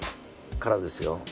空ですよ。